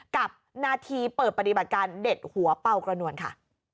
กับนาทีเปิดปฏิบัติการเด็ดหัวเป่ากระนวลค่ะ